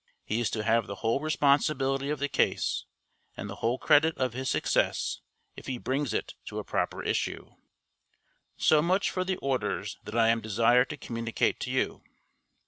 He is to have the whole responsibility of the case, and the whole credit of his success if he brings it to a proper issue. So much for the orders that I am desired to communicate to you.